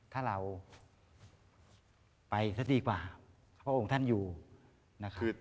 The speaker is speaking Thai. ถ้าเราไปซะดีกว่าพระองค์ท่านอยู่นะครับ